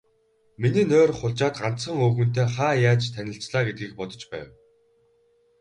Миний нойр хулжаад, ганцхан, өвгөнтэй хаа яаж танилцлаа гэдгийг бодож байв.